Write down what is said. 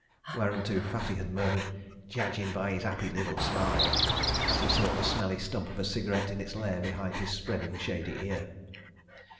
Whereunto Fatty had murmured: "Jedgin' by 'is 'appy liddle smile," as he sought the smelly stump of a cigarette in its lair behind his spreading shady ear.